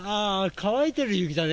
乾いてる雪だね。